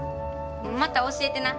また教えてな。